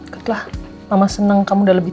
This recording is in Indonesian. deketlah mama senang kamu udah lebih